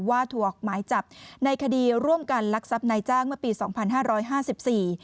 ว่าถูกออกหมายจับในคดีร่วมกันลักทรัพย์นายจ้างเมื่อปีสองพันห้าร้อยห้าสิบสี่